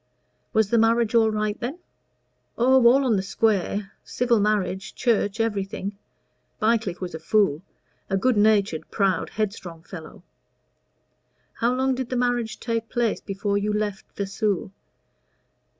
"Was the marriage all right then?" "Oh, all on the square civil marriage, church everything. Bycliffe was a fool a good natured, proud, headstrong fellow." "How long did the marriage take place before you left Vesoul?"